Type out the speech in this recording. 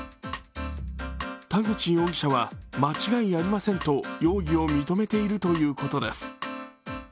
田口容疑者は間違いありませんと容疑を認めているということです。